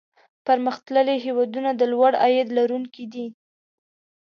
پرمختللي هېوادونه د لوړ عاید لرونکي دي.